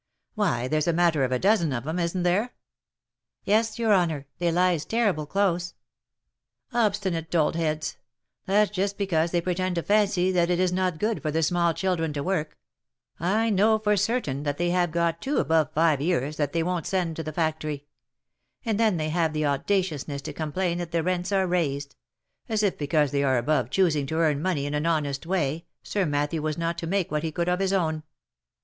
" Why there's a matter of a dozen of 'em, isn't there?" " Yes, your honour, they lies terrible close." '* Obstinate dolt heads !— That's just because they pretend to fancy that it is not good for the small children to work — I know, for certain, that they have got two above five years, that they won't send to the factory ; and then they have the outdaciousness to com plain that the rents are raised — as if because they are above choosing to earn money in an honest way, Sir Matthew was not to make what he could of his own.